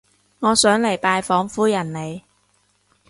我想嚟拜訪夫人你